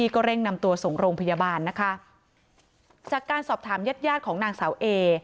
ก็เร่งนำตัวส่งโรงพยาบาลนะคะจากการสอบถามญาติญาติของนางสาวเอ